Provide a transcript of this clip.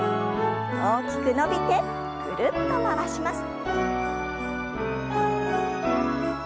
大きく伸びてぐるっと回します。